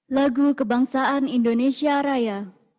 lagu kebangsaan indonesia raya